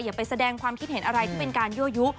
อย่าไปแสดงความคิดเห็นอะไรที่เป็นการยั่วยุ